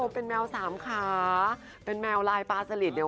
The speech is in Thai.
เป็นแมวสามคาเป็นแมวลายปลาสลิส